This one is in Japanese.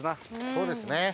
そうですね。